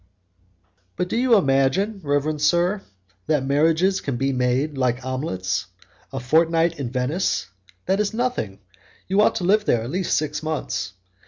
"But do you imagine, reverend sir, that marriages can be made like omelets? A fortnight in Venice, that is nothing; you ought to live there at least six months.